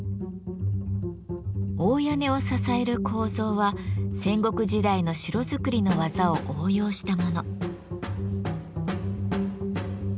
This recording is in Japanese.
大屋根を支える構造は戦国時代の城造りの技を応用したもの。